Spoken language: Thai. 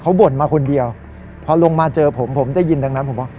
เขาบ่นมาคนเดียวพอลงมาเจอผมผมได้ยินดังนั้นผมบอก